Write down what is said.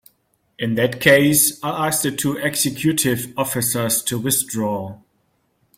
In that case I'll ask the two executive officers to withdraw.